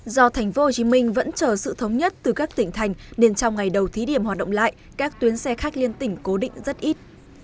do tp hcm vẫn chờ sự thống nhất từ các tỉnh thành nên trong ngày đầu thí điểm hoạt động lại các tuyến xe khách liên tỉnh cố định rất ít